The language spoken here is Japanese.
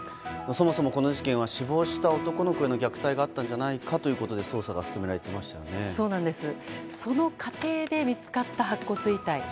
そもそもこの事件は死亡した男の子への虐待があったんじゃないかということでその過程で見つかった白骨遺体。